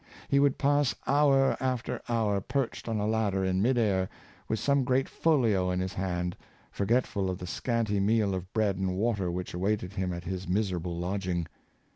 He would pass hour after hour perched on a ladder in mid air, with some great folio in his hand, forgetful of the scanty meal of bread and water which awaited him at his miserable lodging.